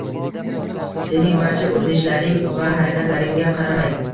Sening barcha urinishlaring va harakatlaringga qaramay